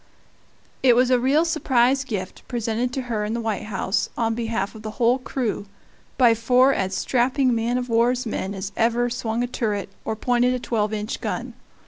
It was a real surprise gift, presented to her in the White House, on behalf of the whole crew, by four as strapping man of war's men as ever swung a turret or pointed a twelve inch gun.